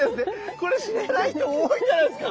これ知らない人多いんじゃないですか？